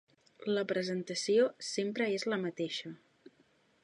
La presentació sempre és la mateixa.